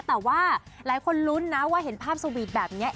แต่ว่าหลายคนรุนนะเพราะว่าเห็นพรรมโซวีตแบบเนี้ย